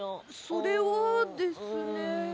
それはですね。